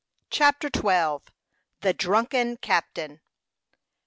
CHAPTER XII. THE DRUNKEN CAPTAIN.